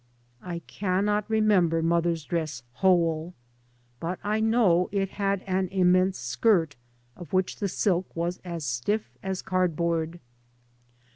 I cannot remember mother's dress whole. But I know it had an immense skirt, of which the silk was as stiff as card board.